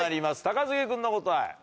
高杉君の答え。